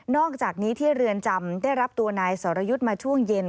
อกจากนี้ที่เรือนจำได้รับตัวนายสรยุทธ์มาช่วงเย็น